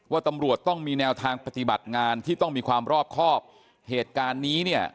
ตำรวจต้องมีแนวทางปฏิบัติงานที่ต้องมีความรอบครอบเหตุการณ์นี้เนี่ย